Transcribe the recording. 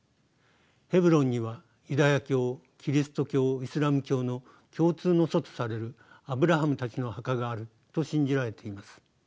ヘブロンにはユダヤ教キリスト教イスラム教の共通の祖とされるアブラハムたちの墓があると信じられています。